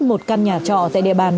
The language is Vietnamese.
một căn nhà trọ tại địa bàn